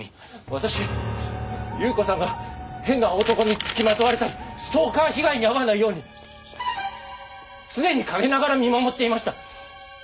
私祐子さんが変な男につきまとわれたりストーカー被害に遭わないように常に陰ながら見守っていました。